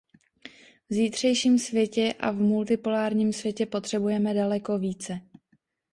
V zítřejším světě a v multipolárním světě potřebujeme daleko více.